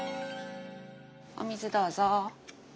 お水どうぞ。